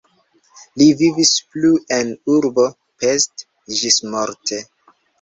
Li vivis plu en urbo Pest ĝismorte.